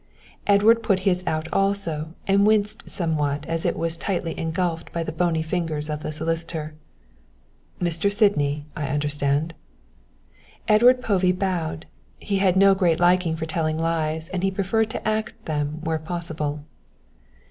Edward put his out also and winced somewhat as it was tightly engulfed by the bony fingers of the solicitor. "Mr. Sydney, I understand." Edward Povey bowed, he had no great liking for telling lies and he preferred to act them where possible.